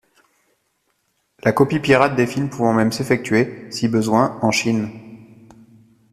La copie pirate des films pouvant même s'effectuer, si besoin, en Chine.